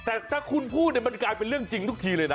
แต่ถ้าคุณพูดมันกลายเป็นเรื่องจริงทุกทีเลยนะ